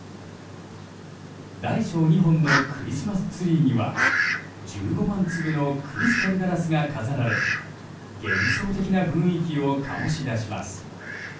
大小２本のクリスマスツリーには１５万粒のクリスタルガラスが飾られ幻想的な雰囲気を醸し出します。